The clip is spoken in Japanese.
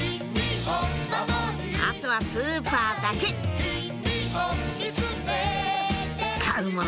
あとはスーパーだけ買うもの